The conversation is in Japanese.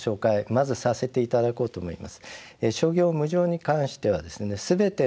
まずさせていただこうと思います。